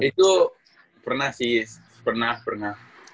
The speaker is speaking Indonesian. itu pernah sih pernah pernah